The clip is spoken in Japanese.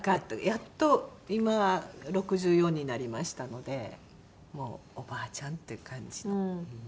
やっと今６４になりましたのでもうおばあちゃんという感じの。